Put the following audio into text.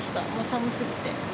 寒すぎて。